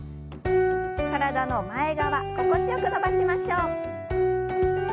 体の前側心地よく伸ばしましょう。